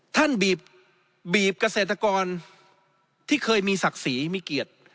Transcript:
ท่านบีบบีบเกษตรกรที่เคยมีศักดิ์ศรีมิเกียจ